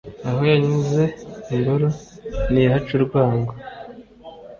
Aho yanyuze (imboro) ntihaca urwango.